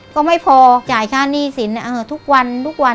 ก็ไม่พอจ่ายค่าหนี้สินทุกวัน